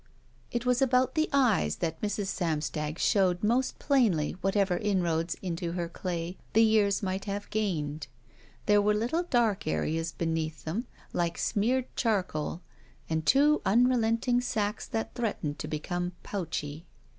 It was about the eyes that Mrs. Samstag showed most plainly whatever inroads into her clay the years might have gained. There were little dark areas beneath them like smeared charcoal, and two unrelenting sacs that threatened to become pouchy.